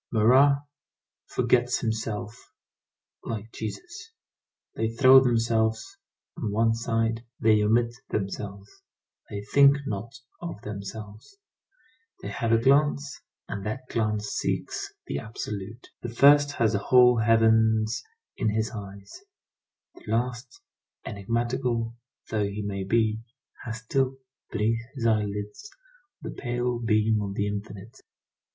Marat forgets himself like Jesus. They throw themselves on one side, they omit themselves, they think not of themselves. They have a glance, and that glance seeks the absolute. The first has the whole heavens in his eyes; the last, enigmatical though he may be, has still, beneath his eyelids, the pale beam of the infinite.